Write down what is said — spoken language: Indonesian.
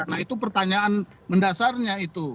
nah itu pertanyaan mendasarnya itu